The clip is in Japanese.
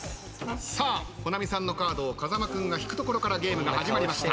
さあ保奈美さんのカードを風間君が引くところからゲームが始まりました。